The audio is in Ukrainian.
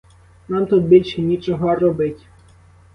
Нам тут більше нічого робить.